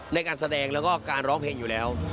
ในการแสดงแล้วก็การร้องเพลงอยู่แล้ว